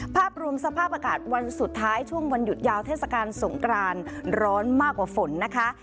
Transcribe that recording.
ภาพรวมสภาพอากาศวันสุดท้ายช่วงวันหยุดยาวเทศกาลสงกรานร้อนมากกว่าฝนนะคะ